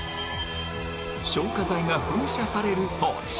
消火剤が噴射される装置。